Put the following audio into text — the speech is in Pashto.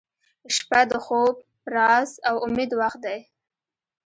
• شپه د خوب، راز، او امید وخت دی